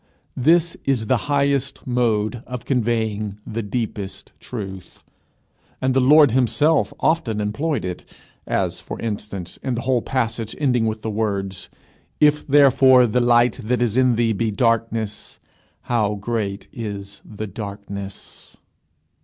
This is the highest mode of conveying the deepest truth; and the Lord himself often employed it, as, for instance, in the whole passage ending with the words, "If therefore the light that is in thee be darkness, how great is the darkness!"